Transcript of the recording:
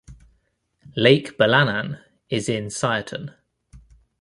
Lake Balanan is in Siaton.